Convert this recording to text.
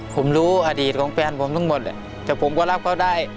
ผมรู้อดีตของแฟนผมทั้งหมดแต่ผมก็รับเขาได้